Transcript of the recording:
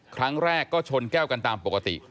ครั้งแรกก็ชนแก้วกันตามปกติ